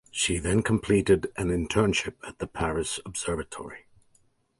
She then completed an internship at the Paris Observatory.